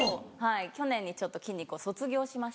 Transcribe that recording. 去年にちょっと筋肉を卒業しまして。